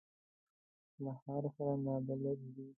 له ښار سره نابلده دي.